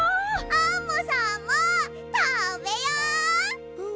アンモさんもたべよう！